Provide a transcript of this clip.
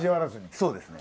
そうですね。